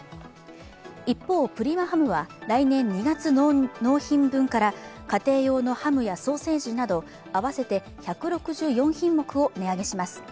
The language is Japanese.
一方、プリマハムは来年２月納品分から家庭用のハムやソーセージなど合わせて１６４品目を値上げします。